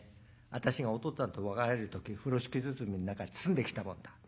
私がおとっつぁんと別れる時風呂敷包みん中包んできたもんだ。